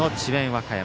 和歌山。